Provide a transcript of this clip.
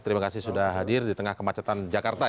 terima kasih sudah hadir di tengah kemacetan jakarta